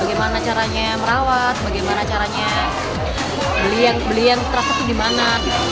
bagaimana caranya merawat bagaimana caranya beli yang terasa tuh dimana